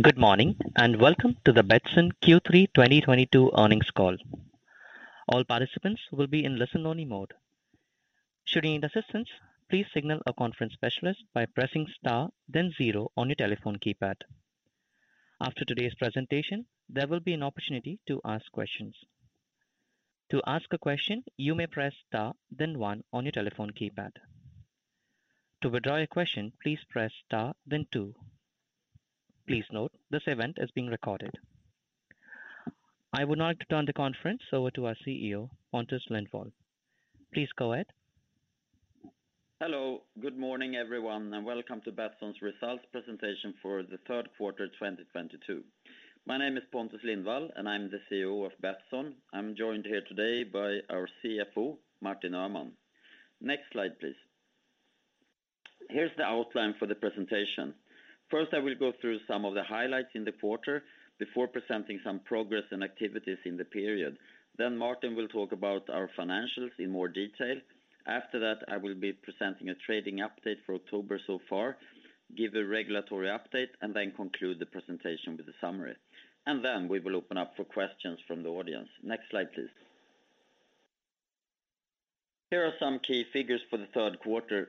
Good morning, and welcome to the Betsson Q3 2022 earnings call. All participants will be in listen-only mode. Should you need assistance, please signal a conference specialist by pressing star, then zero on your telephone keypad. After today's presentation, there will be an opportunity to ask questions. To ask a question, you may press star then one on your telephone keypad. To withdraw your question, please press star then two. Please note this event is being recorded. I would now like to turn the conference over to our CEO, Pontus Lindwall. Please go ahead. Hello. Good morning, everyone, and welcome to Betsson's results presentation for the third quarter 2022. My name is Pontus Lindwall, and I'm the CEO of Betsson. I'm joined here today by our CFO, Martin Öhman. Next slide, please. Here's the outline for the presentation. First, I will go through some of the highlights in the quarter before presenting some progress and activities in the period. Then Martin will talk about our financials in more detail. After that, I will be presenting a trading update for October so far, give a regulatory update, and then conclude the presentation with a summary. We will open up for questions from the audience. Next slide, please. Here are some key figures for the third quarter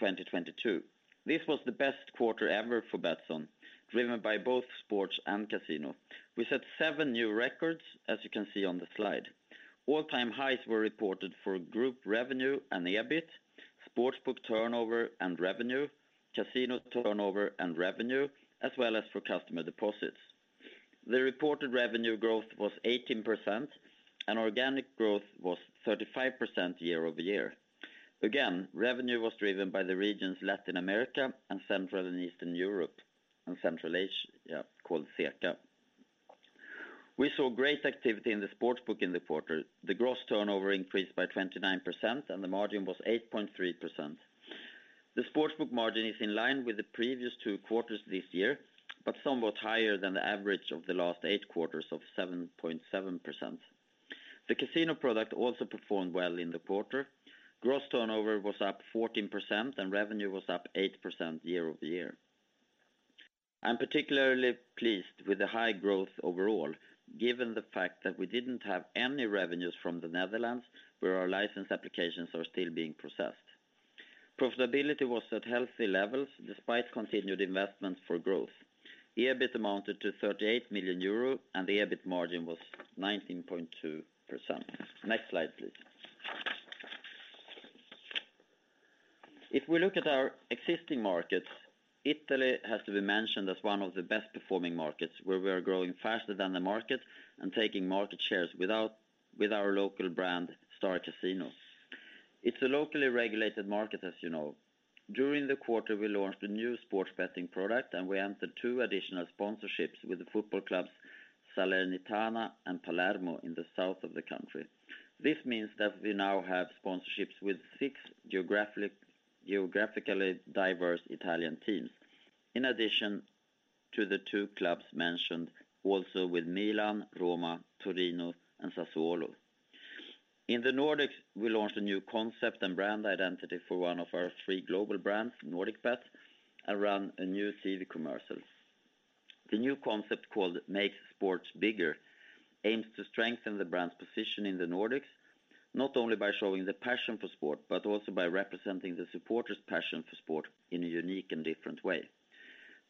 2022. This was the best quarter ever for Betsson, driven by both sports and casino. We set seven new records, as you can see on the slide. All-time highs were reported for group revenue and EBIT, sportsbook turnover and revenue, casino turnover and revenue, as well as for customer deposits. The reported revenue growth was 18%, and organic growth was 35% year-over-year. Again, revenue was driven by the regions Latin America and Central and Eastern Europe and Central Asia, called CEECA. We saw great activity in the sportsbook in the quarter. The gross turnover increased by 29% and the margin was 8.3%. The sportsbook margin is in line with the previous two quarters this year, but somewhat higher than the average of the last eight quarters of 7.7%. The casino product also performed well in the quarter. Gross turnover was up 14% and revenue was up 8% year-over-year. I'm particularly pleased with the high growth overall, given the fact that we didn't have any revenues from the Netherlands, where our license applications are still being processed. Profitability was at healthy levels despite continued investments for growth. EBIT amounted to 38 million euro and the EBIT margin was 19.2%. Next slide, please. If we look at our existing markets, Italy has to be mentioned as one of the best performing markets where we are growing faster than the market and taking market shares with our local brand, StarCasinò. It's a locally regulated market, as you know. During the quarter, we launched a new sports betting product, and we entered two additional sponsorships with the football clubs Salernitana and Palermo in the south of the country. This means that we now have sponsorships with six geographically diverse Italian teams. In addition to the two clubs mentioned, also with Milan, Roma, Torino, and Sassuolo. In the Nordics, we launched a new concept and brand identity for one of our three global brands, NordicBet, around a new TV commercial. The new concept, called Makes Sports Bigger, aims to strengthen the brand's position in the Nordics, not only by showing the passion for sport, but also by representing the supporters' passion for sport in a unique and different way.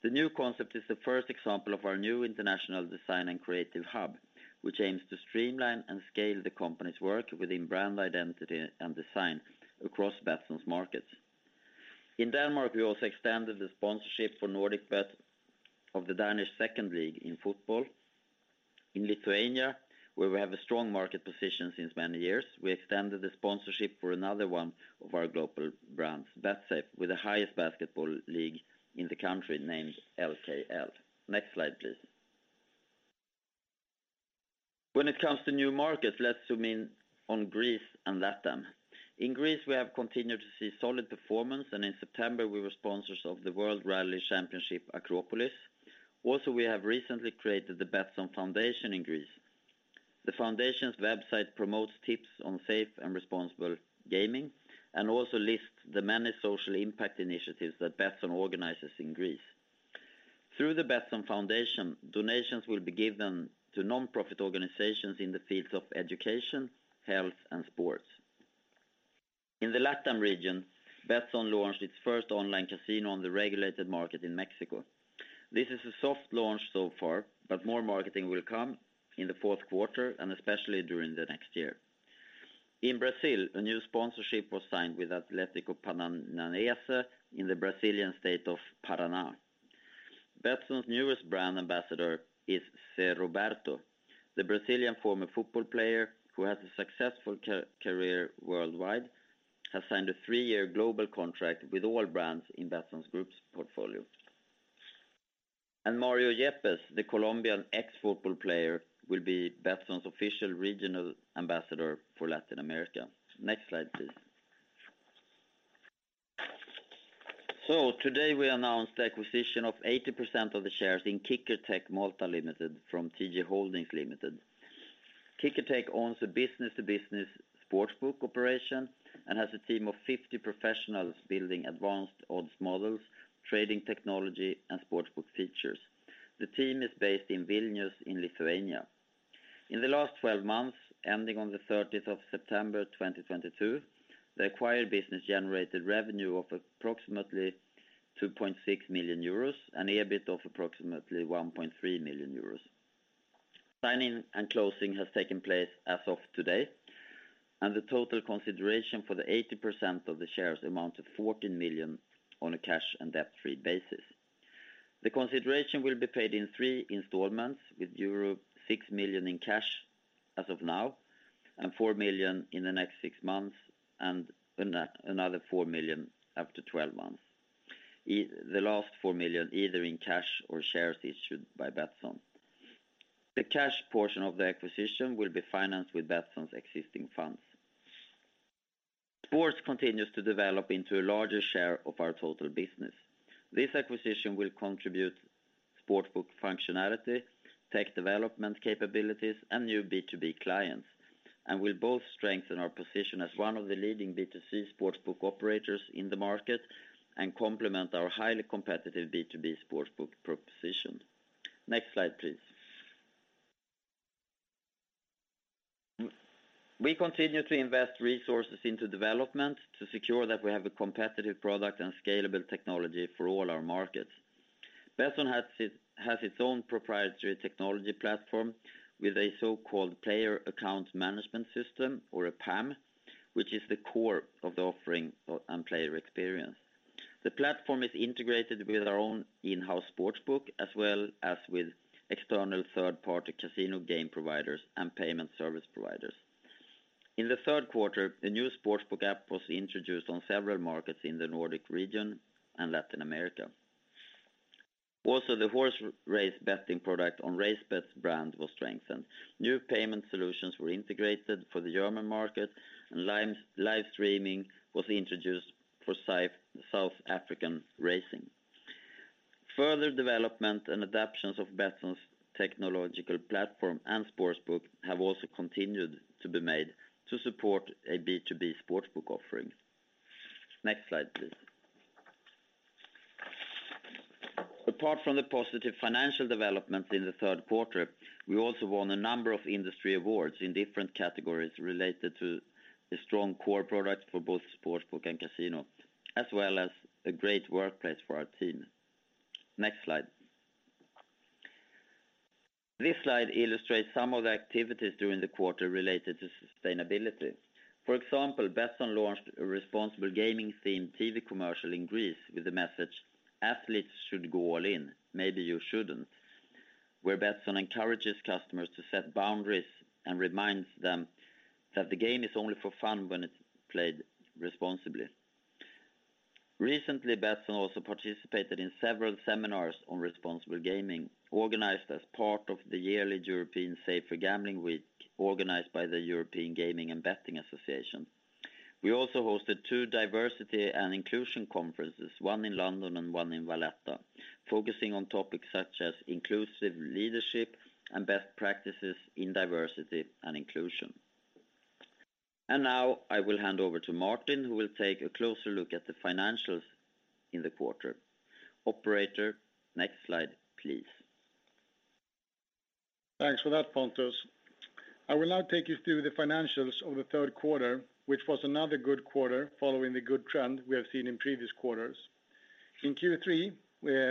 The new concept is the first example of our new international design and creative hub, which aims to streamline and scale the company's work within brand identity and design across Betsson's markets. In Denmark, we also extended the sponsorship for NordicBet of the Danish Second League in football. In Lithuania, where we have a strong market position since many years, we extended the sponsorship for another one of our global brands, Betsafe, with the highest basketball league in the country named LKL. Next slide, please. When it comes to new markets, let's zoom in on Greece and LATAM. In Greece, we have continued to see solid performance, and in September, we were sponsors of the Acropolis Rally. Also, we have recently created the Betsson Foundation in Greece. The foundation's website promotes tips on safe and responsible gaming, and also lists the many social impact initiatives that Betsson organizes in Greece. Through the Betsson Foundation, donations will be given to nonprofit organizations in the fields of education, health, and sports. In the LATAM region, Betsson launched its first online casino on the regulated market in Mexico. This is a soft launch so far, but more marketing will come in the fourth quarter and especially during the next year. In Brazil, a new sponsorship was signed with Club Athletico Paranaense in the Brazilian state of Paraná. Betsson's newest brand ambassador is Zé Roberto. The Brazilian former football player, who has a successful career worldwide, has signed a three-year global contract with all brands in Betsson Group's portfolio. Mario Yepes, the Colombian ex-football player, will be Betsson's official regional ambassador for Latin America. Next slide, please. Today, we announced the acquisition of 80% of the shares in KickerTech Malta Limited from TG Holdings Limited. KickerTech owns a business to business sportsbook operation and has a team of 50 professionals building advanced odds models, trading technology, and sportsbook features. The team is based in Vilnius in Lithuania. In the last 12 months, ending on the 13th of September 2022, the acquired business generated revenue of approximately 2.6 million euros and EBIT of approximately 1.3 million euros. Signing and closing has taken place as of today, and the total consideration for the 80% of the shares amount to 14 million on a cash and debt-free basis. The consideration will be paid in three installments with euro 6 million in cash as of now, and 4 million in the next 6 months, and another 4 million after 12 months. The last 4 million, either in cash or shares issued by Betsson. The cash portion of the acquisition will be financed with Betsson's existing funds. Sports continues to develop into a larger share of our total business. This acquisition will contribute sportsbook functionality, tech development capabilities, and new B2B clients, and will both strengthen our position as one of the leading B2C sportsbook operators in the market and complement our highly competitive B2B sportsbook proposition. Next slide, please. We continue to invest resources into development to secure that we have a competitive product and scalable technology for all our markets. Betsson has its own proprietary technology platform with a so-called player account management system, or a PAM, which is the core of the offering, and player experience. The platform is integrated with our own in-house sportsbook, as well as with external third-party casino game providers and payment service providers. In the third quarter, a new sportsbook app was introduced on several markets in the Nordic region and Latin America. Also, the horse race betting product on RaceBets brand was strengthened. New payment solutions were integrated for the German market, and live streaming was introduced for South African racing. Further development and adaptations of Betsson's technological platform and sportsbook have also continued to be made to support a B2B sportsbook offering. Next slide, please. Apart from the positive financial development in the third quarter, we also won a number of industry awards in different categories related to the strong core products for both sportsbook and casino, as well as a great workplace for our team. Next slide. This slide illustrates some of the activities during the quarter related to sustainability. For example, Betsson launched a responsible gaming themed TV commercial in Greece with the message, "Athletes should go all in. Maybe you shouldn't," where Betsson encourages customers to set boundaries and reminds them that the game is only for fun when it's played responsibly. Recently, Betsson also participated in several seminars on responsible gaming, organized as part of the yearly European Safer Gambling Week, organized by the European Gaming and Betting Association. We also hosted two diversity and inclusion conferences, one in London and one in Valletta, focusing on topics such as inclusive leadership and best practices in diversity and inclusion. Now I will hand over to Martin, who will take a closer look at the financials in the quarter. Operator, next slide, please. Thanks for that, Pontus. I will now take you through the financials of the third quarter, which was another good quarter following the good trend we have seen in previous quarters. In Q3,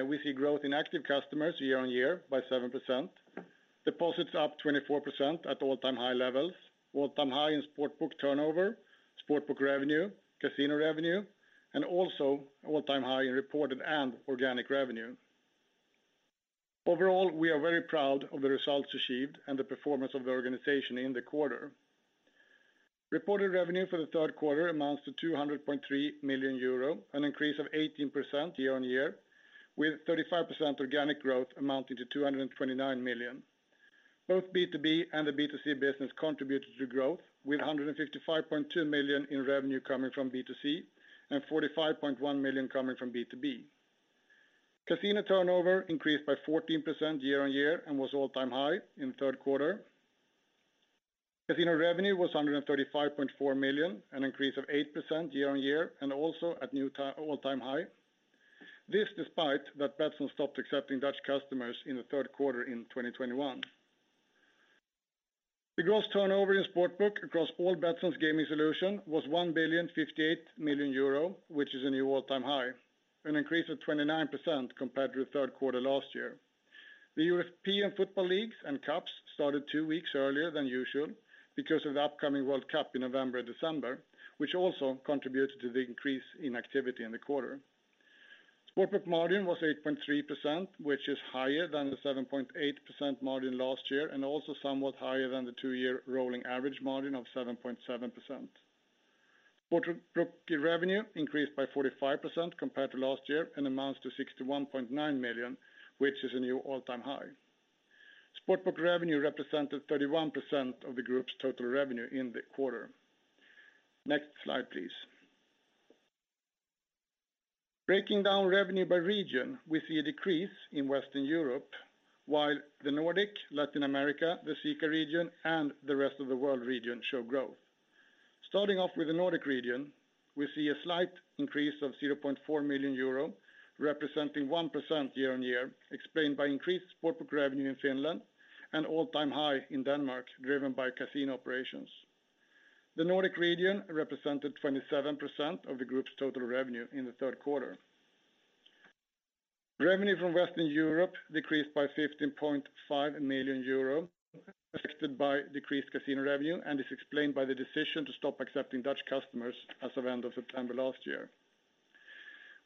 we see growth in active customers year-on-year by 7%. Deposits up 24% at all-time high levels. All-time high in sportsbook turnover, sportsbook revenue, casino revenue, and also all-time high in reported and organic revenue. Overall, we are very proud of the results achieved and the performance of the organization in the quarter. Reported revenue for the third quarter amounts to 200.3 million euro, an increase of 18% year-on-year, with 35% organic growth amounting to 229 million. Both B2B and the B2C business contributed to growth with 155.2 million in revenue coming from B2C, and 45.1 million coming from B2B. Casino turnover increased by 14% year-on-year and was all-time high in the third quarter. Casino revenue was 135.4 million, an increase of 8% year-on-year, and also at all-time high. This, despite that Betsson stopped accepting Dutch customers in the third quarter in 2021. The gross turnover in sportsbook across all Betsson's gaming solution was 1,058 million euro, which is a new all-time high, an increase of 29% compared to the third quarter last year. The European football leagues and cups started two weeks earlier than usual because of the upcoming World Cup in November and December, which also contributed to the increase in activity in the quarter. Sportsbook margin was 8.3%, which is higher than the 7.8% margin last year, and also somewhat higher than the two-year rolling average margin of 7.7%. Sportsbook revenue increased by 45% compared to last year and amounts to 61.9 million, which is a new all-time high. Sportsbook revenue represented 31% of the group's total revenue in the quarter. Next slide, please. Breaking down revenue by region, we see a decrease in Western Europe, while the Nordic, Latin America, the CEECA region, and the rest of the world region show growth. Starting off with the Nordic region, we see a slight increase of 0.4 million euro, representing 1% year-on-year, explained by increased sportsbook revenue in Finland and all-time high in Denmark, driven by casino operations. The Nordic region represented 27% of the group's total revenue in the third quarter. Revenue from Western Europe decreased by 15.5 million euro, affected by decreased casino revenue, and is explained by the decision to stop accepting Dutch customers as of end of September last year.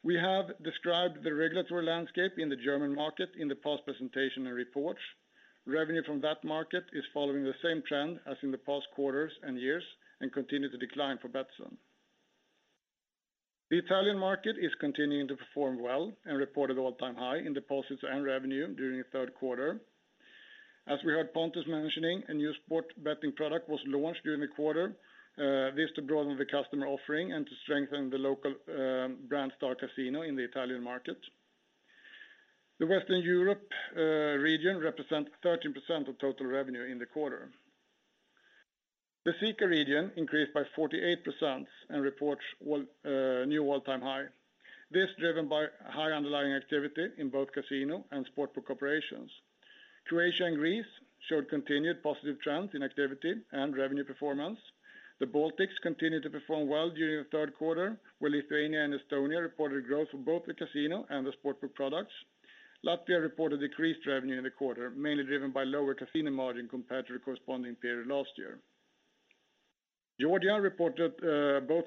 We have described the regulatory landscape in the German market in the past presentation and reports. Revenue from that market is following the same trend as in the past quarters and years, and continue to decline for Betsson. The Italian market is continuing to perform well and reported all-time high in deposits and revenue during the third quarter. As we heard Pontus mentioning, a new sports betting product was launched during the quarter. This to broaden the customer offering and to strengthen the local brand StarCasinò in the Italian market. The Western Europe region represents 13% of total revenue in the quarter. The CEECA region increased by 48% and reports a new all-time high. This driven by high underlying activity in both casino and sportsbook operations. Croatia and Greece showed continued positive trends in activity and revenue performance. The Baltics continued to perform well during the third quarter, where Lithuania and Estonia reported growth for both the casino and the sportsbook products. Latvia reported decreased revenue in the quarter, mainly driven by lower casino margin compared to corresponding period last year. Georgia reported both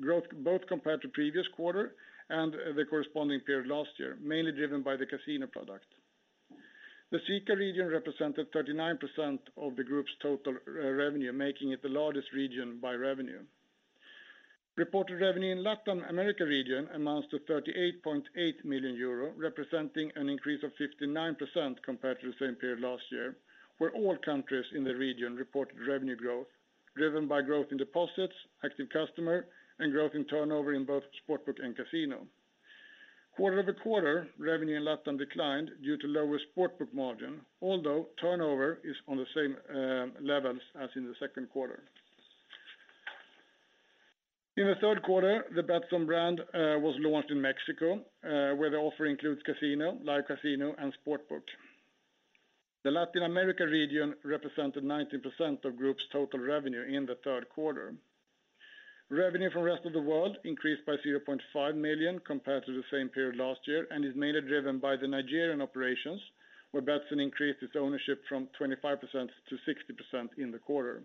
growth compared to previous quarter and the corresponding period last year, mainly driven by the casino product. The CEECA region represented 39% of the group's total revenue, making it the largest region by revenue. Reported revenue in Latin America region amounts to 38.8 million euro, representing an increase of 59% compared to the same period last year, where all countries in the region reported revenue growth, driven by growth in deposits, active customer, and growth in turnover in both Sportsbook and casino. Quarter-over-quarter, revenue in Latin declined due to lower Sportsbook margin, although turnover is on the same levels as in the second quarter. In the third quarter, the Betsson brand was launched in Mexico, where the offer includes casino, live casino, and Sportsbook. The Latin America region represented 19% of Group's total revenue in the third quarter. Revenue from rest of the world increased by 0.5 million compared to the same period last year, and is mainly driven by the Nigerian operations, where Betsson increased its ownership from 25% to 60% in the quarter.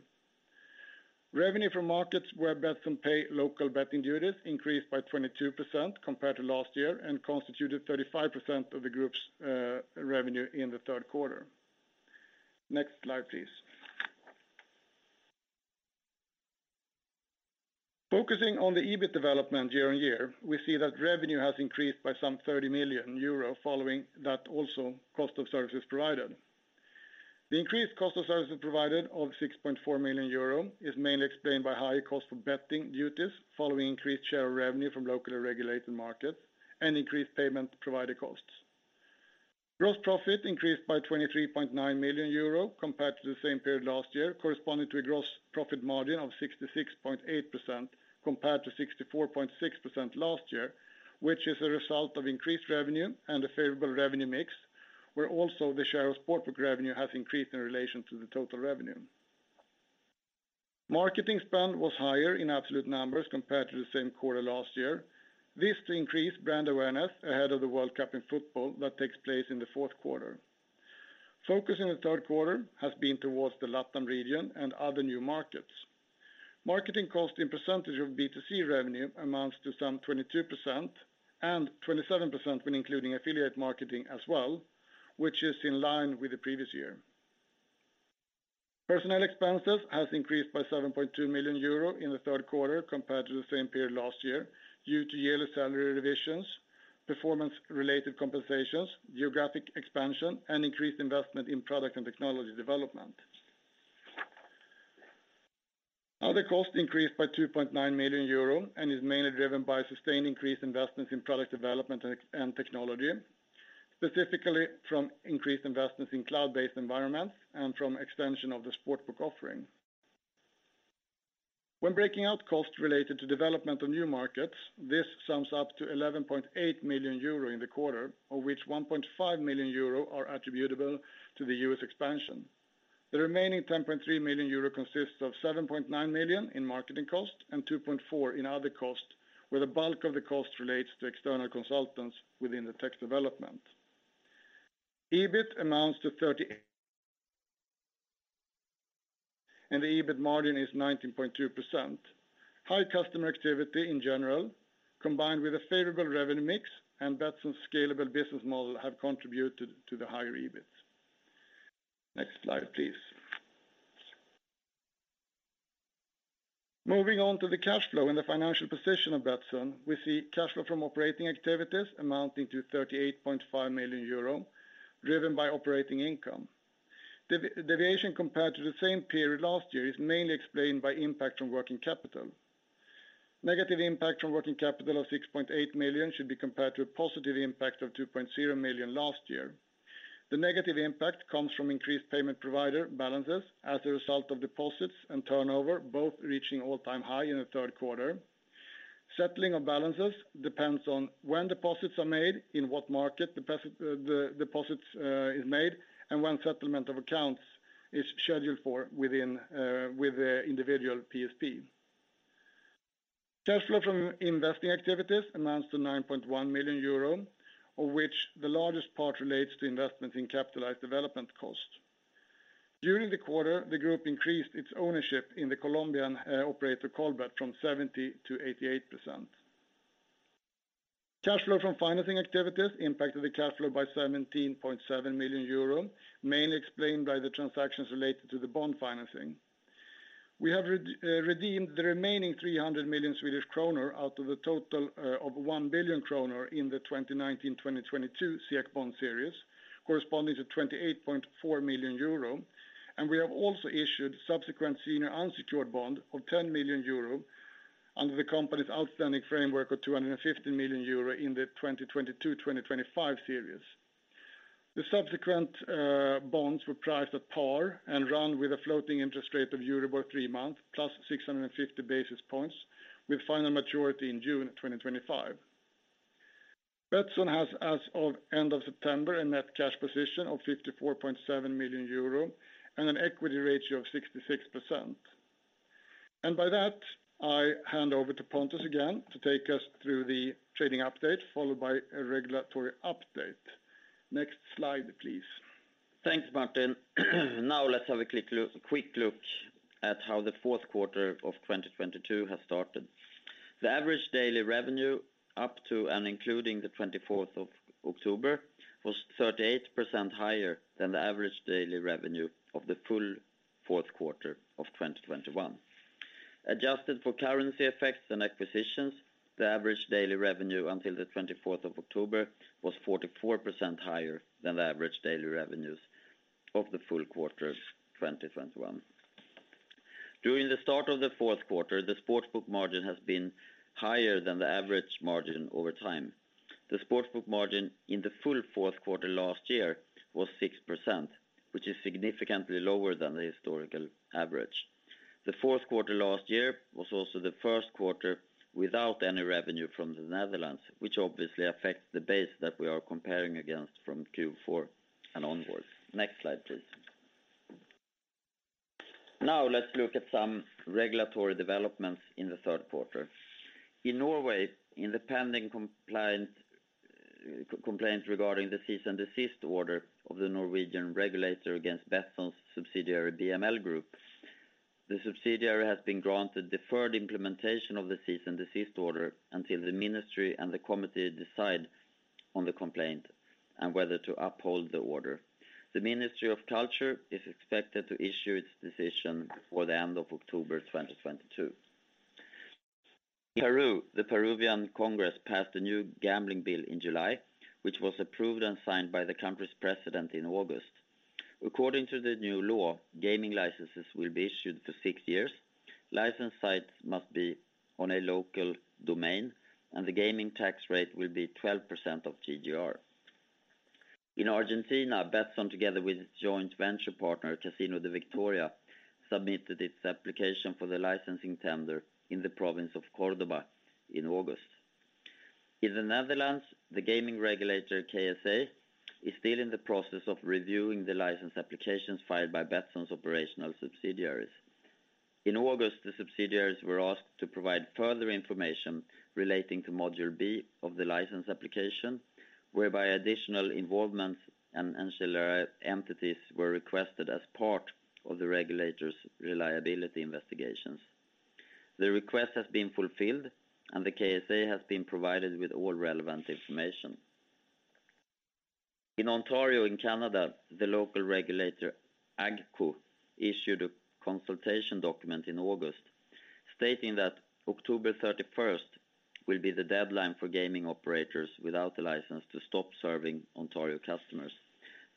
Revenue from markets where Betsson pay local betting duties increased by 22% compared to last year and constituted 35% of the Group's revenue in the third quarter. Next slide, please. Focusing on the EBIT development year-on-year, we see that revenue has increased by some 30 million euro following that also cost of services provided. The increased cost of services provided of 6.4 million euro is mainly explained by higher cost of betting duties following increased share of revenue from locally regulated markets and increased payment provider costs. Gross profit increased by 23.9 million euro compared to the same period last year, corresponding to a gross profit margin of 66.8% compared to 64.6% last year, which is a result of increased revenue and a favorable revenue mix, where also the share of sportsbook revenue has increased in relation to the total revenue. Marketing spend was higher in absolute numbers compared to the same quarter last year. This to increase brand awareness ahead of the World Cup in football that takes place in the fourth quarter. Focus in the third quarter has been towards the LATAM region and other new markets. Marketing cost in percentage of B2C revenue amounts to some 22% and 27% when including affiliate marketing as well, which is in line with the previous year. Personnel expenses has increased by 7.2 million euro in the third quarter compared to the same period last year due to yearly salary revisions, performance-related compensations, geographic expansion, and increased investment in product and technology development. Other costs increased by 2.9 million euro and is mainly driven by sustained increased investments in product development and technology, specifically from increased investments in cloud-based environments and from extension of the sportsbook offering. When breaking out costs related to development of new markets, this sums up to 11.8 million euro in the quarter, of which 1.5 million euro are attributable to the U.S. expansion. The remaining 10.3 million euro consists of 7.9 million in marketing costs and 2.4 million in other costs, where the bulk of the cost relates to external consultants within the tech development. EBIT amounts to 38 million and the EBIT margin is 19.2%. High customer activity in general, combined with a favorable revenue mix and Betsson's scalable business model have contributed to the higher EBIT. Next slide, please. Moving on to the cash flow and the financial position of Betsson, we see cash flow from operating activities amounting to 38.5 million euro, driven by operating income. The deviation compared to the same period last year is mainly explained by impact from working capital. Negative impact from working capital of 6.8 million should be compared to a positive impact of 2.0 million last year. The negative impact comes from increased payment provider balances as a result of deposits and turnover, both reaching all-time high in the third quarter. Settling of balances depends on when deposits are made, in what market the deposits is made, and when settlement of accounts is scheduled for within with the individual PSP. Cash flow from investing activities amounts to 9.1 million euro, of which the largest part relates to investment in capitalized development cost. During the quarter, the group increased its ownership in the Colombian operator Colbet from 70%-88%. Cash flow from financing activities impacted the cash flow by 17.7 million euro, mainly explained by the transactions related to the bond financing. We have redeemed the remaining 300 million Swedish kronor out of the total of 1 billion kronor in the 2019-2022 SEK bond series, corresponding to 28.4 million euro, and we have also issued subsequent senior unsecured bond of 10 million euro under the company's outstanding framework of 250 million euro in the 2022-2025 series. The subsequent bonds were priced at par and run with a floating interest rate of euro 3-month plus 650 basis points, with final maturity in June 2025. Betsson has, as of end of September, a net cash position of 54.7 million euro and an equity ratio of 66%. By that, I hand over to Pontus again to take us through the trading update, followed by a regulatory update. Next slide, please. Thanks, Martin. Now let's have a quick look at how the fourth quarter of 2022 has started. The average daily revenue up to and including the 24th of October was 38% higher than the average daily revenue of the full fourth quarter of 2021. Adjusted for currency effects and acquisitions, the average daily revenue until the 24th of October was 44% higher than the average daily revenues of the full quarter of 2021. During the start of the fourth quarter, the Sportsbook margin has been higher than the average margin over time. The Sportsbook margin in the full fourth quarter last year was 6%, which is significantly lower than the historical average. The fourth quarter last year was also the first quarter without any revenue from the Netherlands, which obviously affects the base that we are comparing against from Q4 and onwards. Next slide, please. Now let's look at some regulatory developments in the third quarter. In Norway, in the pending complaint regarding the cease-and-desist order of the Norwegian regulator against Betsson's subsidiary, BML Group, the subsidiary has been granted deferred implementation of the cease-and-desist order until the ministry and the committee decide on the complaint and whether to uphold the order. The Ministry of Culture is expected to issue its decision before the end of October 2022. Peru, the Peruvian Congress passed a new gambling bill in July, which was approved and signed by the country's president in August. According to the new law, gaming licenses will be issued for six years. Licensed sites must be on a local domain, and the gaming tax rate will be 12% of GGR. In Argentina, Betsson, together with its joint venture partner, Casino de Victoria, submitted its application for the licensing tender in the province of Córdoba in August. In the Netherlands, the gaming regulator, KSA, is still in the process of reviewing the license applications filed by Betsson's operational subsidiaries. In August, the subsidiaries were asked to provide further information relating to module B of the license application, whereby additional involvement and ancillary entities were requested as part of the regulator's reliability investigations. The request has been fulfilled, and the KSA has been provided with all relevant information. In Ontario, in Canada, the local regulator, AGCO, issued a consultation document in August stating that October 31st will be the deadline for gaming operators without the license to stop serving Ontario customers.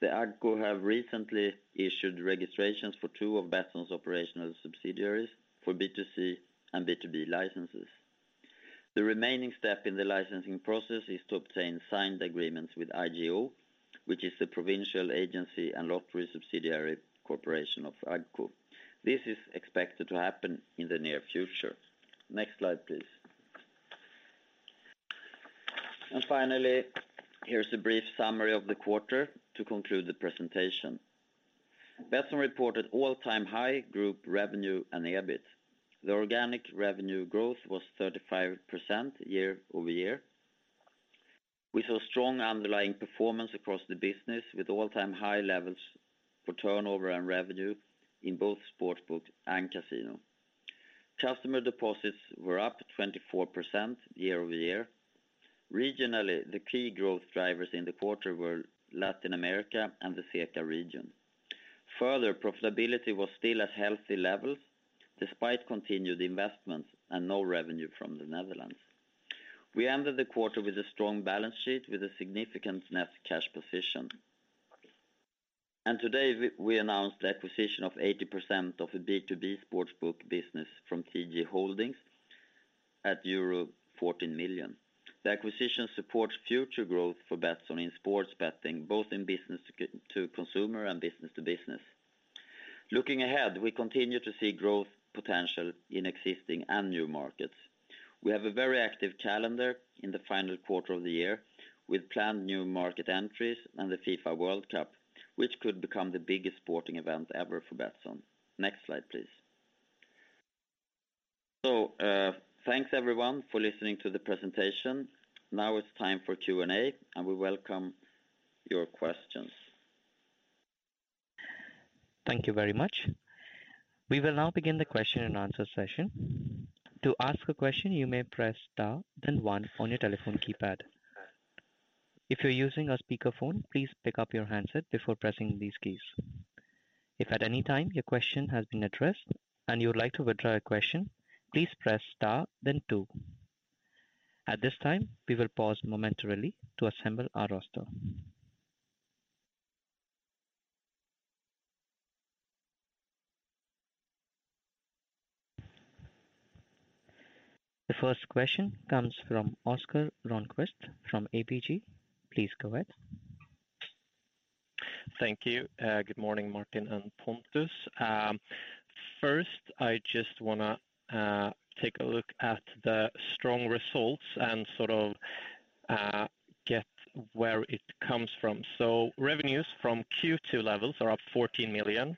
The AGCO have recently issued registrations for two of Betsson's operational subsidiaries for B2C and B2B licenses. The remaining step in the licensing process is to obtain signed agreements with iGO, which is the provincial agency and lottery subsidiary corporation of AGCO. This is expected to happen in the near future. Next slide, please. Finally, here's a brief summary of the quarter to conclude the presentation. Betsson reported all-time high group revenue and EBIT. The organic revenue growth was 35% year-over-year. We saw strong underlying performance across the business with all-time high levels for turnover and revenue in both Sportsbook and Casino. Customer deposits were up 24% year-over-year. Regionally, the key growth drivers in the quarter were Latin America and the CEECA region. Furthermore, profitability was still at healthy levels despite continued investments and no revenue from the Netherlands. We ended the quarter with a strong balance sheet with a significant net cash position. Today we announced the acquisition of 80% of the B2B sportsbook business from TG Holdings at euro 14 million. The acquisition supports future growth for Betsson in sports betting, both in business to consumer and business to business. Looking ahead, we continue to see growth potential in existing and new markets. We have a very active calendar in the final quarter of the year with planned new market entries and the FIFA World Cup, which could become the biggest sporting event ever for Betsson. Next slide, please. Thanks everyone for listening to the presentation. Now it's time for Q&A, and we welcome your questions. Thank you very much. We will now begin the question-and-answer session. To ask a question, you may press star then one on your telephone keypad. If you're using a speaker phone, please pick up your handset before pressing these keys. If at any time your question has been addressed and you would like to withdraw your question, please press star then two. At this time, we will pause momentarily to assemble our roster. The first question comes from Oscar Rönnkvist from ABG. Please go ahead. Thank you. Good morning, Martin and Pontus. First, I just wanna take a look at the strong results and sort of get where it comes from. Revenues from Q2 levels are up 14 million,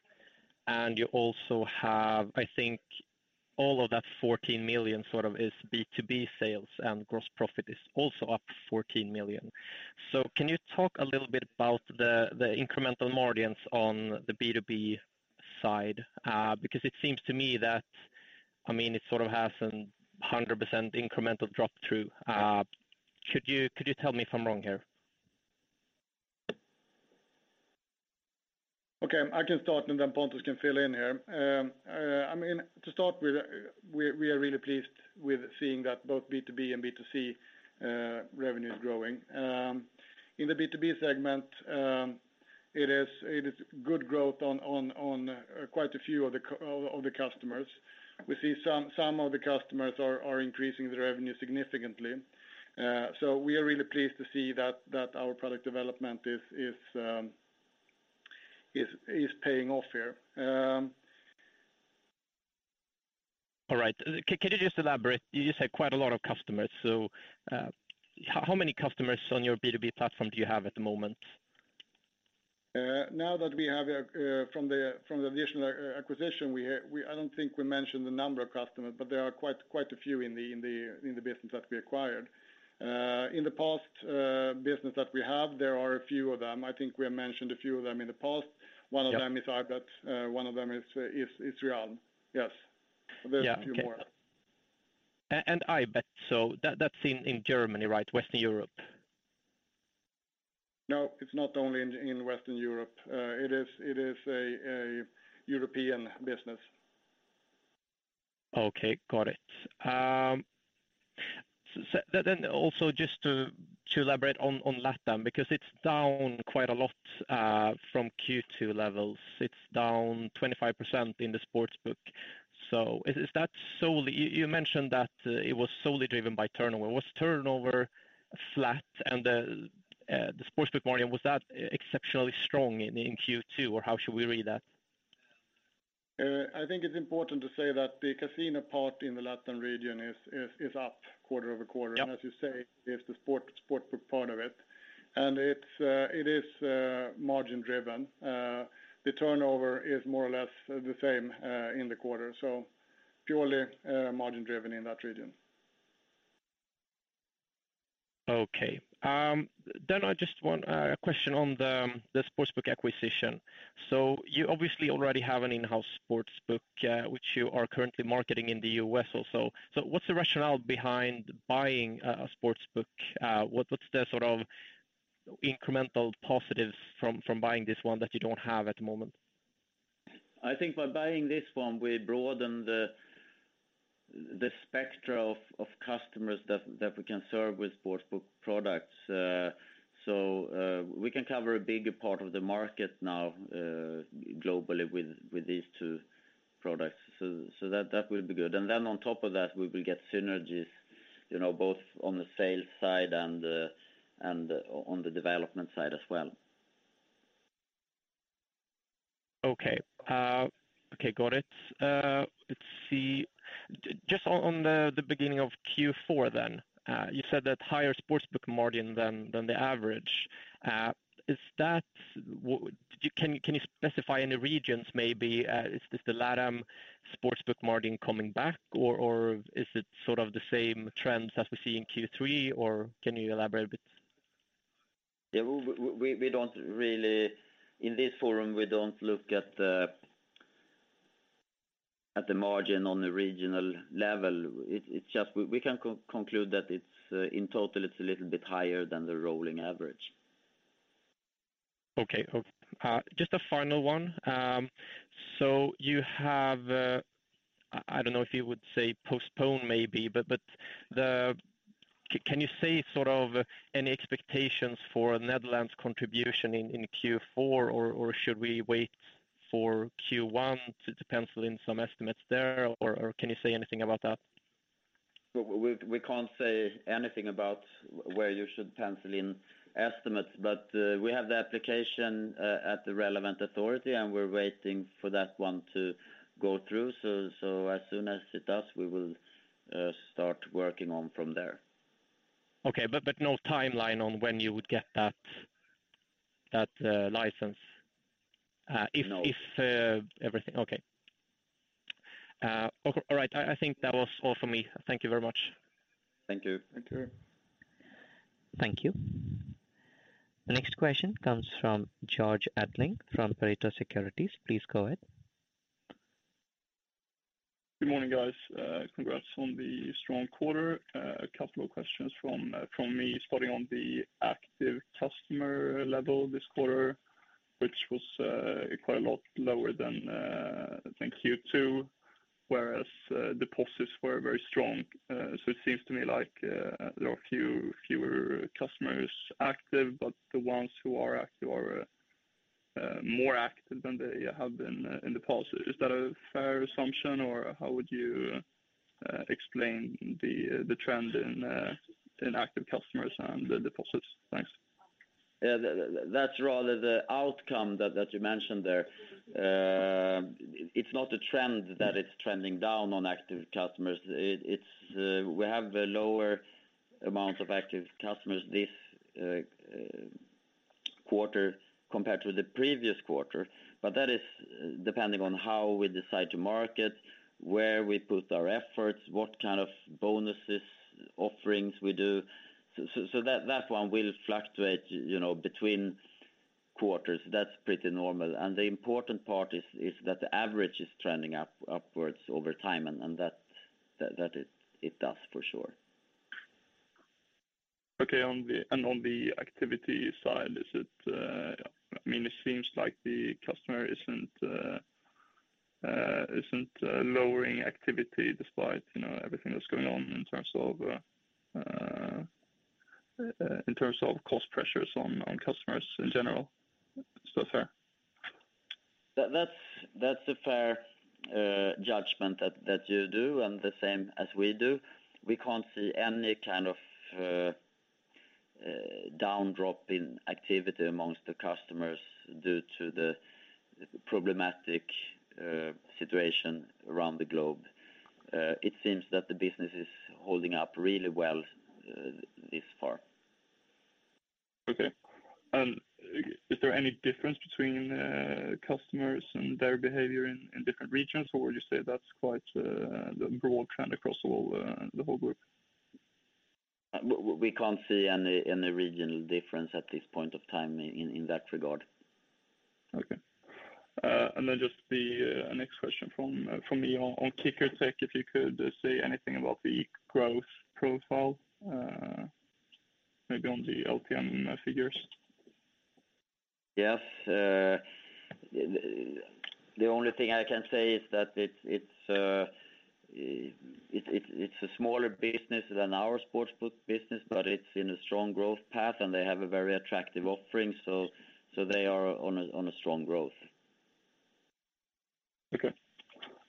and you also have, I think all of that 14 million sort of is B2B sales, and gross profit is also up 14 million. Can you talk a little bit about the incremental margins on the B2B side? Because it seems to me that, I mean, it sort of has 100% incremental drop through. Could you tell me if I'm wrong here? Okay, I can start, and then Pontus can fill in here. I mean, to start with, we are really pleased with seeing that both B2B and B2C revenue is growing. In the B2B segment, it is good growth on quite a few of the customers. We see some of the customers are increasing their revenue significantly. So we are really pleased to see that our product development is paying off here. All right. Can you just elaborate? You just said quite a lot of customers. So, how many customers on your B2B platform do you have at the moment? Now that we have from the additional acquisition, I don't think we mentioned the number of customers, but there are quite a few in the business that we acquired. In the past business that we have, there are a few of them. I think we have mentioned a few of them in the past. One of them is iBet, one of them is Reel. Yes. There's a few more. Yeah. Okay. And iBet, so that's in Germany, right? Western Europe? No, it's not only in Western Europe. It is a European business. Okay, got it. Also just to elaborate on LATAM, because it's down quite a lot from Q2 levels. It's down 25% in the Sportsbook. Is that solely driven by turnover? You mentioned that it was solely driven by turnover. Was turnover flat and the Sportsbook margin exceptionally strong in Q2, or how should we read that? I think it's important to say that the casino part in the LATAM region is up quarter-over-quarter. Yep. As you say, it's the sportsbook part of it. It is margin driven. The turnover is more or less the same in the quarter. Purely margin driven in that region. Okay. Then I just want a question on the Sportsbook acquisition. You obviously already have an in-house Sportsbook, which you are currently marketing in the U.S. also. What's the rationale behind buying a Sportsbook? What's the sort of incremental positives from buying this one that you don't have at the moment? I think by buying this one, we broaden the spectrum of customers that we can serve with Sportsbook products. We can cover a bigger part of the market now, globally with these two products. That will be good. Then on top of that, we will get synergies, you know, both on the sales side and on the development side as well. Okay. Got it. Let's see. Just on the beginning of Q4 then, you said that higher Sportsbook margin than the average. Can you specify any regions maybe? Is this the LATAM Sportsbook margin coming back or is it sort of the same trends as we see in Q3? Or can you elaborate a bit? Yeah. In this forum, we don't look at the margin on the regional level. It's just we can conclude that in total it's a little bit higher than the rolling average. Okay. Just a final one. You have, I don't know if you would say postpone maybe, but. Can you say sort of any expectations for Netherlands contribution in Q4? Or should we wait for Q1 to pencil in some estimates there? Or can you say anything about that? We can't say anything about where you should pencil in estimates. We have the application at the relevant authority, and we're waiting for that one to go through. As soon as it does, we will start working on from there. Okay. No timeline on when you would get that license. No. Everything okay. All right. I think that was all for me. Thank you very much. Thank you. Thank you. Thank you. The next question comes from Georg Attling from Pareto Securities. Please go ahead. Good morning, guys. Congrats on the strong quarter. A couple of questions from me, starting on the active customer level this quarter, which was quite a lot lower than I think Q2, whereas deposits were very strong. So it seems to me like there are fewer customers active, but the ones who are active are more active than they have been in deposits. Is that a fair assumption? Or how would you explain the trend in active customers and the deposits? Thanks. Yeah. That's rather the outcome that you mentioned there. It's not a trend that it's trending down on active customers. We have a lower amount of active customers this quarter compared to the previous quarter. That is depending on how we decide to market, where we put our efforts, what kind of bonuses offerings we do. That one will fluctuate, you know, between quarters. That's pretty normal. The important part is that the average is trending upwards over time, and that it does for sure. Okay. On the activity side, is it? I mean, it seems like the customer isn't lowering activity despite, you know, everything that's going on in terms of cost pressures on customers in general. Is that fair? That's a fair judgment that you do and the same as we do. We can't see any kind of down drop in activity among the customers due to the problematic situation around the globe. It seems that the business is holding up really well this far. Okay. Is there any difference between customers and their behavior in different regions? Or would you say that's quite the broad trend across all the whole group? We can't see any regional difference at this point of time in that regard. Okay. Just the next question from me on KickerTech, if you could say anything about the growth profile, maybe on the LTM figures. Yes. The only thing I can say is that it's a smaller business than our sports book business, but it's in a strong growth path, and they have a very attractive offering. They are on a strong growth. Okay.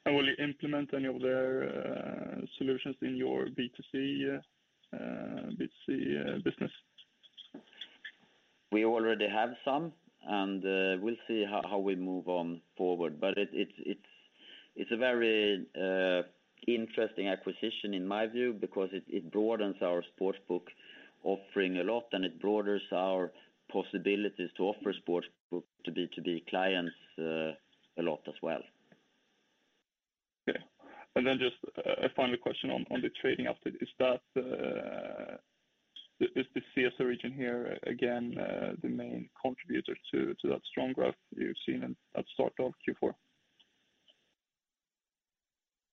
Will you implement any of their solutions in your B2C business? We already have some. We'll see how we move on forward. It's a very interesting acquisition in my view because it broadens our sportsbook offering a lot, and it broadens our possibilities to offer sportsbook to B2B clients a lot as well. Okay. Just a final question on the trading update. Is the CSO region here again the main contributor to that strong growth you've seen at start of Q4?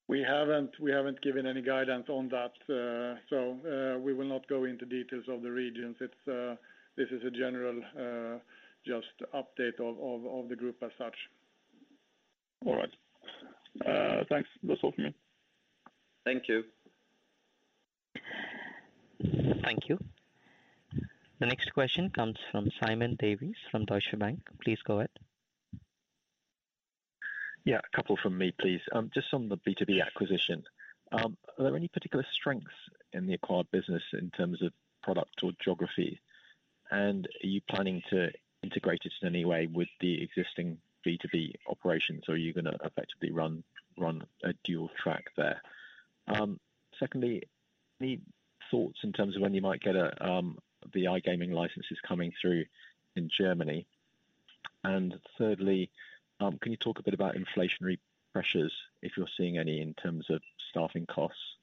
We haven't given any guidance on that. So, we will not go into details of the regions. This is a general, just update of the group as such. All right. Thanks. That's all for me. Thank you. Thank you. The next question comes from Simon Davies from Deutsche Bank. Please go ahead. Yeah, a couple from me, please. Just on the B2B acquisition, are there any particular strengths in the acquired business in terms of product or geography? Are you planning to integrate it in any way with the existing B2B operations, or are you gonna effectively run a dual track there? Secondly, any thoughts in terms of when you might get the iGaming licenses coming through in Germany? Thirdly, can you talk a bit about inflationary pressures, if you're seeing any, in terms of staffing costs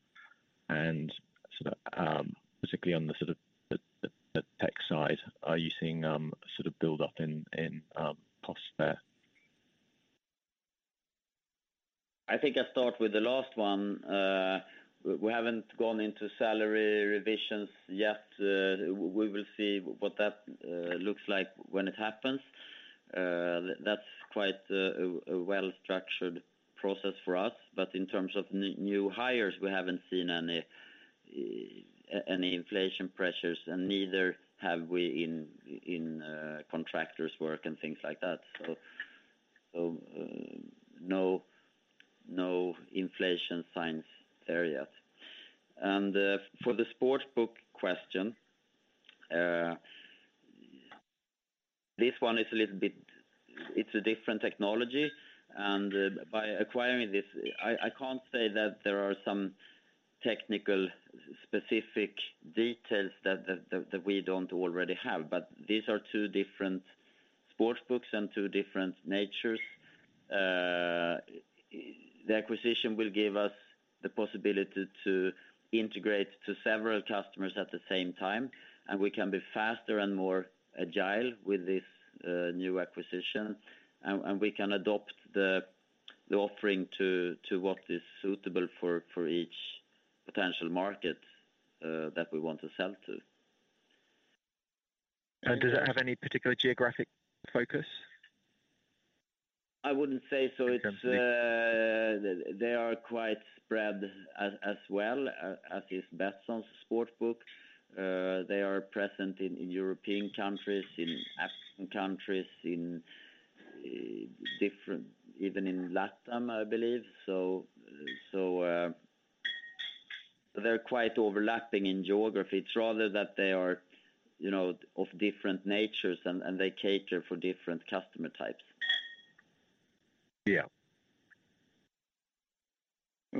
and sort of, specifically on the sort of the tech side, are you seeing sort of build up in costs there? I think I start with the last one. We haven't gone into salary revisions yet. We will see what that looks like when it happens. That's quite a well-structured process for us. In terms of new hires, we haven't seen any inflation pressures, and neither have we in contractors work and things like that. No inflation signs there yet. For the sports book question, this one is a little bit. It's a different technology. By acquiring this, I can't say that there are some technical specific details that we don't already have. These are two different sports books and two different natures. The acquisition will give us the possibility to integrate to several customers at the same time, and we can be faster and more agile with this new acquisition. We can adopt the offering to what is suitable for each potential market that we want to sell to. Does that have any particular geographic focus? I wouldn't say so. In terms of the- They are quite spread, as well as is Betsson Sportsbook. They are present in European countries, in African countries, in different, even in LATAM, I believe. They're quite overlapping in geography. It's rather that they are, you know, of different natures and they cater for different customer types. Yeah.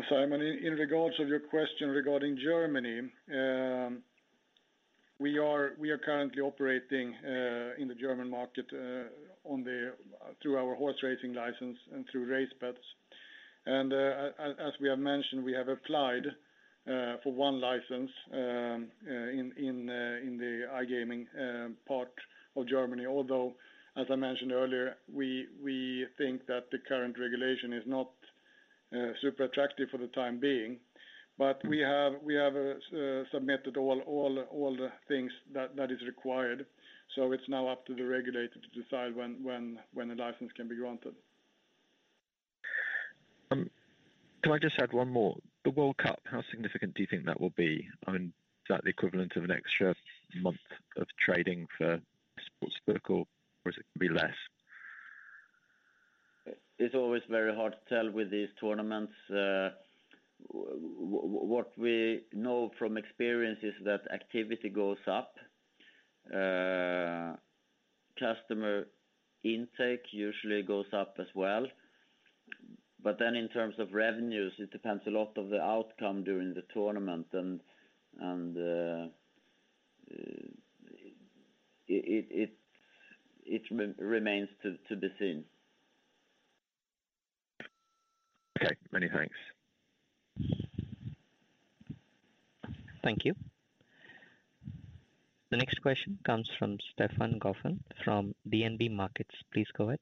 Simon, in regards to your question regarding Germany, we are currently operating in the German market through our horse racing license and through RaceBets. As we have mentioned, we have applied for one license in the iGaming part of Germany. Although, as I mentioned earlier, we think that the current regulation is not super attractive for the time being. We have submitted all the things that is required. It's now up to the regulator to decide when the license can be granted. Can I just add one more? The World Cup, how significant do you think that will be? I mean, is that the equivalent of an extra month of trading for sportsbook, or is it gonna be less? It's always very hard to tell with these tournaments. What we know from experience is that activity goes up. Customer intake usually goes up as well. In terms of revenues, it depends a lot on the outcome during the tournament. It remains to be seen. Okay, many thanks. Thank you. The next question comes from Stefan Gauffin from DNB Markets. Please go ahead.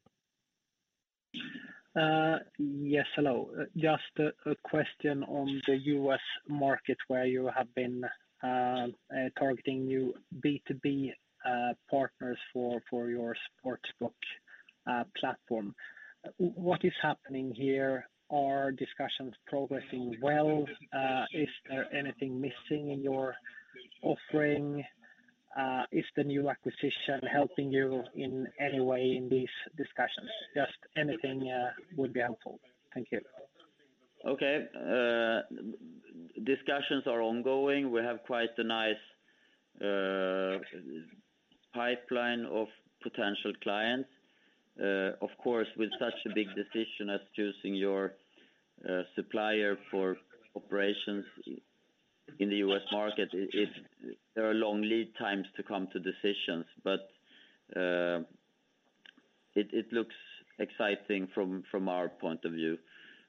Yes, hello. Just a question on the U.S. market where you have been targeting new B2B partners for your Sportsbook platform. What is happening here? Are discussions progressing well? Is there anything missing in your offering? Is the new acquisition helping you in any way in these discussions? Just anything would be helpful. Thank you. Okay. Discussions are ongoing. We have quite a nice pipeline of potential clients. Of course, with such a big decision as choosing your supplier for operations in the U.S. market, there are long lead times to come to decisions. It looks exciting from our point of view.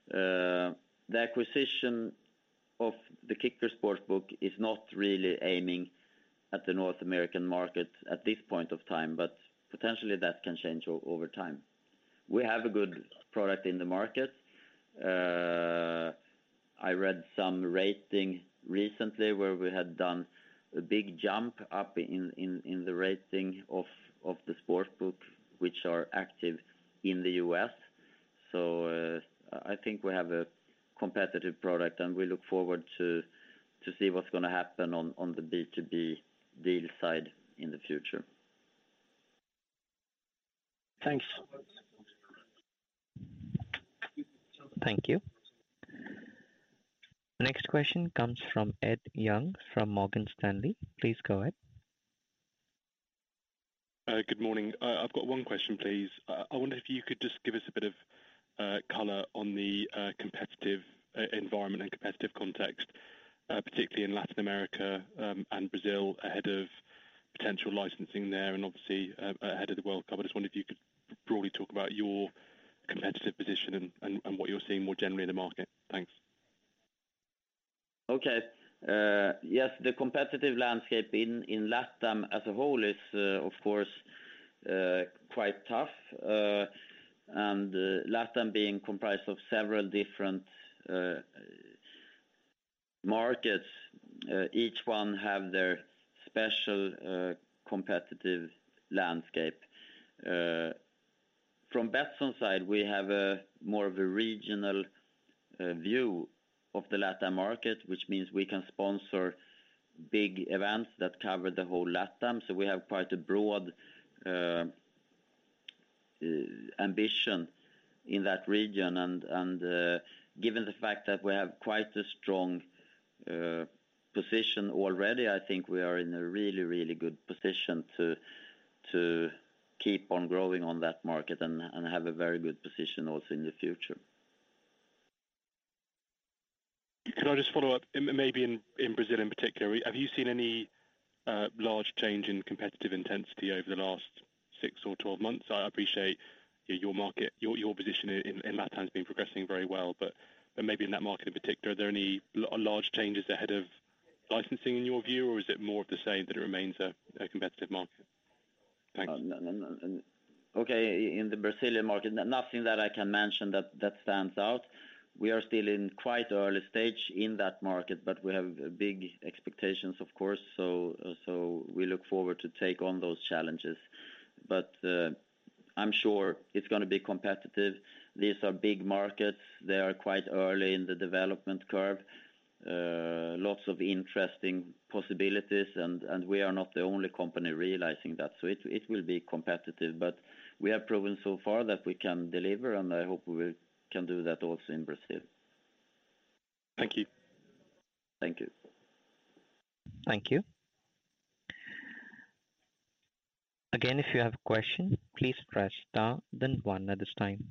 The acquisition of the KickerTech sportsbook is not really aiming at the North American market at this point of time, but potentially that can change over time. We have a good product in the market. I read some rating recently where we had done a big jump up in the rating of the sportsbook, which are active in the U.S. I think we have a competitive product, and we look forward to see what's gonna happen on the B2B deal side in the future. Thanks. Thank you. Next question comes from Ed Young from Morgan Stanley. Please go ahead. Good morning. I've got one question, please. I wonder if you could just give us a bit of color on the competitive environment and competitive context, particularly in Latin America, and Brazil ahead of potential licensing there and obviously ahead of the World Cup. I just wonder if you could broadly talk about your competitive position and what you're seeing more generally in the market. Thanks. Okay. Yes, the competitive landscape in LATAM as a whole is, of course, quite tough. LATAM being comprised of several different markets, each one have their special competitive landscape. From Betsson side, we have a more of a regional view of the LATAM market, which means we can sponsor big events that cover the whole LATAM. We have quite a broad ambition in that region. Given the fact that we have quite a strong position already, I think we are in a really good position to keep on growing on that market and have a very good position also in the future. Could I just follow up maybe in Brazil in particular, have you seen any large change in competitive intensity over the last six or 12 months? I appreciate your market, your position in LATAM has been progressing very well, but maybe in that market in particular, are there any large changes ahead of licensing in your view, or is it more of the same, that it remains a competitive market? Thanks. Okay. In the Brazilian market, nothing that I can mention that stands out. We are still in quite early stage in that market, but we have big expectations, of course. We look forward to take on those challenges. I'm sure it's gonna be competitive. These are big markets. They are quite early in the development curve. Lots of interesting possibilities, and we are not the only company realizing that. It will be competitive, but we have proven so far that we can deliver, and I hope we can do that also in Brazil. Thank you. Thank you. Thank you. Again, if you have a question, please press star then one at this time.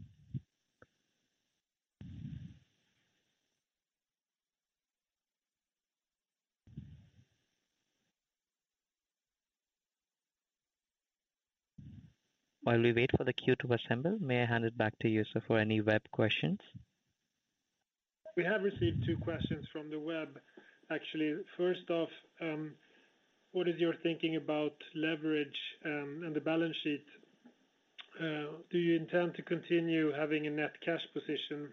While we wait for the queue to assemble, may I hand it back to you, sir, for any web questions? We have received two questions from the web, actually. First off, what is your thinking about leverage, and the balance sheet? Do you intend to continue having a net cash position?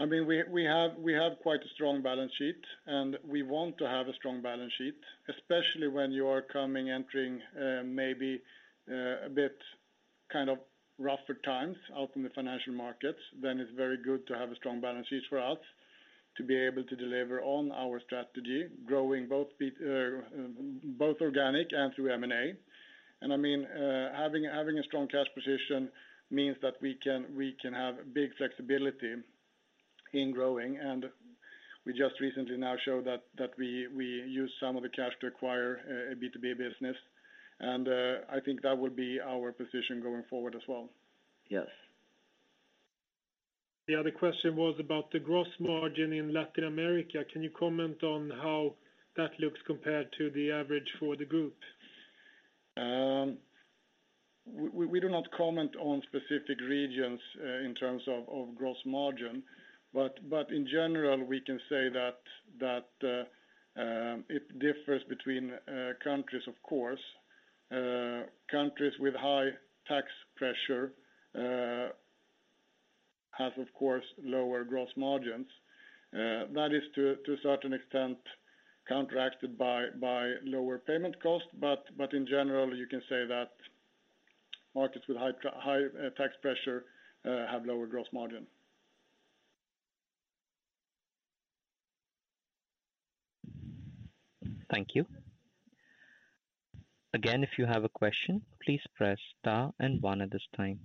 I mean, we have quite a strong balance sheet, and we want to have a strong balance sheet, especially when you are entering, maybe, a bit kind of rougher times out in the financial markets. Then it's very good to have a strong balance sheet for us to be able to deliver on our strategy, growing both organic and through M&A. I mean, having a strong cash position means that we can have big flexibility in growing. We just recently now showed that we use some of the cash to acquire a B2B business. I think that would be our position going forward as well. Yes. The other question was about the gross margin in Latin America. Can you comment on how that looks compared to the average for the group? We do not comment on specific regions in terms of gross margin, but in general, we can say that it differs between countries, of course. Countries with high tax pressure have, of course, lower gross margins. That is to a certain extent counteracted by lower payment costs. In general, you can say that markets with high tax pressure have lower gross margin. Thank you. Again, if you have a question, please press star and one at this time.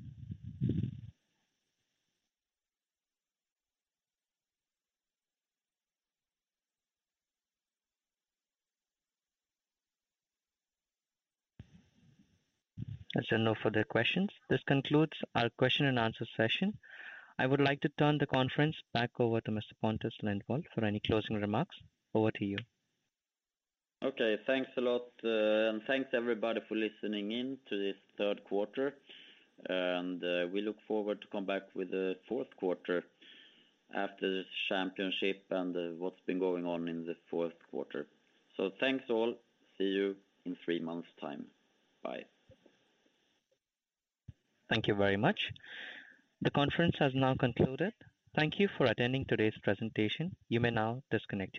As there are no further questions, this concludes our question and answer session. I would like to turn the conference back over to Mr. Pontus Lindwall for any closing remarks. Over to you. Okay. Thanks a lot. Thanks everybody for listening in to this third quarter. We look forward to come back with the fourth quarter after this championship and what's been going on in the fourth quarter. Thanks all. See you in three months time. Bye. Thank you very much. The conference has now concluded. Thank you for attending today's presentation. You may now disconnect your lines.